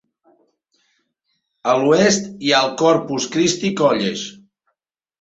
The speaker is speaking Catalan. A l'oest hi ha el Corpus Christi College.